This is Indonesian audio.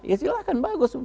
ya silahkan bagus